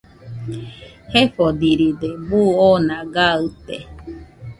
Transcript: Jefodiride, buu oona gaɨte